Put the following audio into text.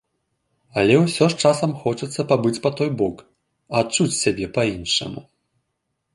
Але ўсё ж часам хочацца пабыць па той бок, адчуць сябе па-іншаму.